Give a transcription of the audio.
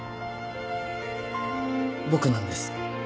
僕なんです。